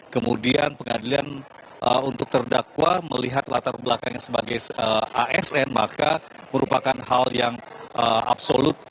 kemudian pengadilan untuk terdakwa melihat latar belakangnya sebagai asn maka merupakan hal yang absolut